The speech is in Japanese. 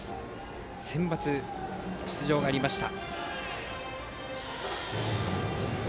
センバツ出場がありました。